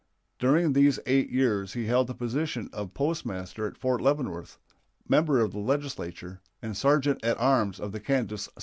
During these eight years he held the positions of postmaster at Fort Leavenworth, member of the Legislature, and sergeant at arms of the Kansas Senate.